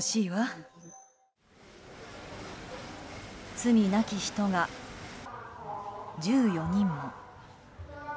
罪なき人が１４人も。